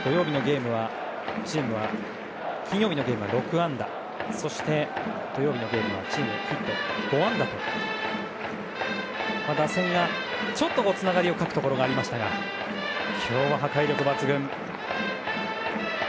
金曜日のゲームは６安打そして土曜日のゲームはチームで５安打と打線がちょっとつながりを欠くところがありましたが今日は破壊力抜群。